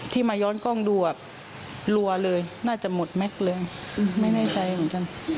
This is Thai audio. มาย้อนกล้องดูรัวเลยน่าจะหมดแม็กซ์เลยไม่แน่ใจเหมือนกัน